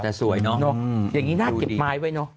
แต่สวยเนอะอย่างนี้น่าเก็บไม้ไว้เนอะ